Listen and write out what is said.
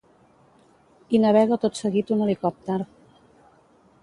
Hi navega tot seguit un helicòpter.